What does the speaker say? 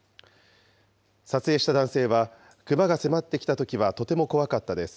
撮影した男性は、クマが迫ってきたときはとても怖かったです。